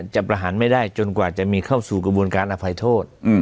ประหารไม่ได้จนกว่าจะมีเข้าสู่กระบวนการอภัยโทษ